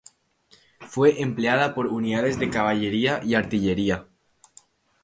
Fue empleada por unidades de Caballería y Artillería.